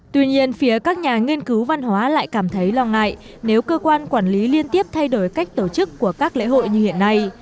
tuy nhiên phía các nhà nghiên cứu văn hóa lại cảm thấy lo ngại nếu cơ quan quản lý liên tiếp thay đổi cách tổ chức của các lễ hội như hiện nay